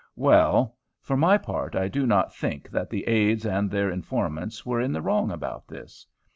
Well! for my part I do not think that the aids and their informants were in the wrong about this.